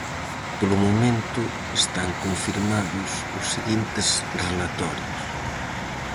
Polo momento están confirmados os seguintes relatorios: